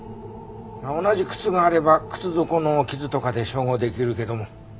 同じ靴があれば靴底の傷とかで照合できるけども。